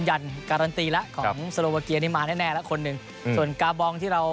ก็จะมีความสนุกของพวกเราและก็มีความสนุกของพวกเรา